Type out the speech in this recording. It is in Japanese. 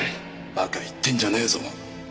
馬鹿言ってんじゃねえぞ。